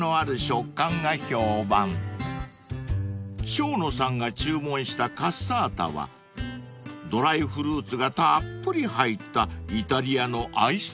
［生野さんが注文したカッサータはドライフルーツがたっぷり入ったイタリアのアイスケーキ］